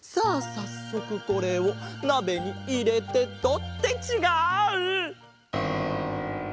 さっそくこれをなべにいれてと。ってちがう！